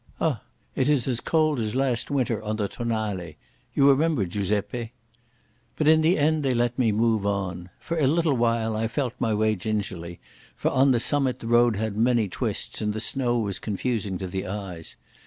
Ugh, it is as cold as last winter on the Tonale. You remember, Giuseppe?" But in the end they let me move on. For a little I felt my way gingerly, for on the summit the road had many twists and the snow was confusing to the eyes.